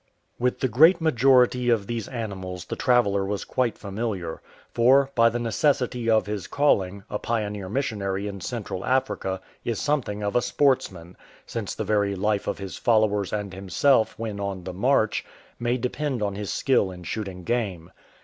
*" With the great majority of these animals the traveller was quite familiar, for, by the necessity of his calling, a pioneer missionary in Central Africa is something of a sportsman, since the very life of his followers and him self when on the march may depend on his skill in shoot ing game.